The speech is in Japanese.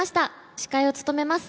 司会を務めます